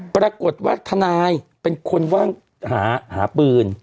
ปรากฏว่าทนายเป็นคนว่างหาปืน